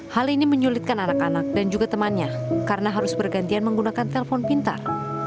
hal ini menyulitkan anak anak dan juga temannya karena harus bergantian menggunakan telpon pintar